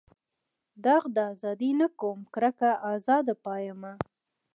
داغ د ازادۍ نه کوم کرکه ازاد پایمه.